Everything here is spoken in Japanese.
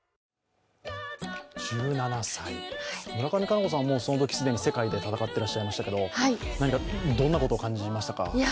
１７歳、村上佳菜子さんはそのとき既に世界で戦ってらっしゃいましたけどどんなことを感じましたか？